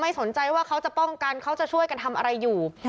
สนใจว่าเขาจะป้องกันเขาจะช่วยกันทำอะไรอยู่